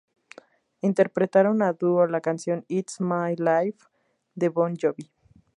Interpretaron a dúo la canción "It's My Life", de Bon Jovi.